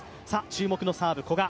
注目のサーブ、古賀、